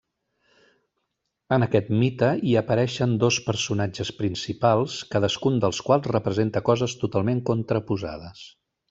En aquest mite, hi apareixen dos personatges principals cadascun dels quals representa coses totalment contraposades.